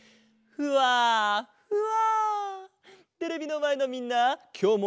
ふわふわ。